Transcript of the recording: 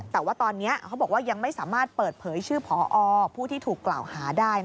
แต่ว่าตอนนี้เขาบอกว่ายังไม่สามารถเปิดเผยชื่อพอผู้ที่ถูกกล่าวหาได้